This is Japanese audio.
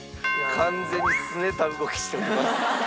完全にすねた動きしております。